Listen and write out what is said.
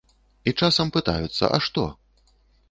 І часам пытаюцца, а што?